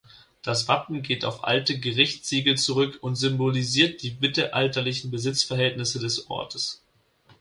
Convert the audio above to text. Das Wappen geht auf alte Gerichtssiegel zurück und symbolisiert die mittelalterlichen Besitzverhältnisse des Ortes.